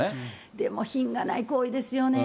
でも品がない行為ですよね。